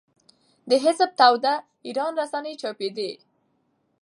د حزب توده ایران رسنۍ چاپېدې.